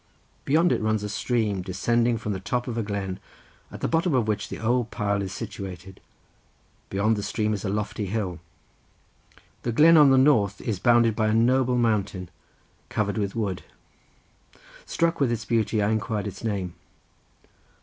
Beyond it runs a stream, descending from the top of a glen, at the bottom of which the old pile is situated; beyond the stream is a lofty hill. The glen on the north is bounded by a noble mountain, covered with wood. Struck with its beauty I inquired its name.